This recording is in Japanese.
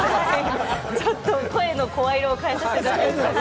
ちょっと、声の声色を変えさせていただきました。